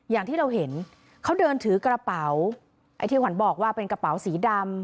อย่างที่เราเห็นเขาเดินถือกระเป๋าไอ้ที่ขวัญบอกว่าเป็นกระเป๋าสีดำ